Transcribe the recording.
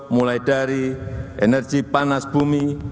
mulai dari energi panas bumi